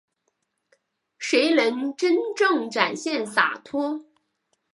谁能真正展现洒脱